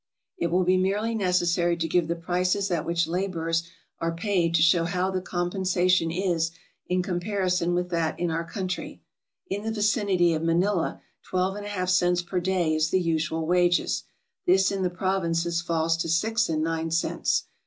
It will be merely necessary to give the prices at which laborers are paid to show how the compensation is in com parison with that in our country. In the vicinity of Manila, twelve and a half cents per day is the usual wages ; this in the provinces falls to six and nine cents.